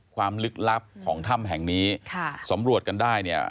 ลึกลับของถ้ำแห่งนี้ค่ะสำรวจกันได้เนี่ย